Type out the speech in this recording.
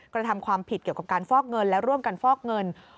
กระทำความผิดเกี่ยวกับการฟอกเงินและร่วมกันฟอกเงิน